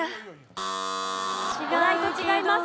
お題と違います。